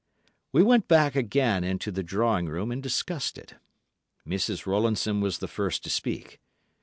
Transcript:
We went back again into the drawing room and discussed it. Mrs. Rowlandson was the first to speak.